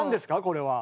これは。